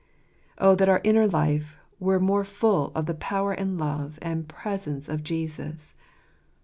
Oh that our inner life were more full of the power and love and presence of Jesus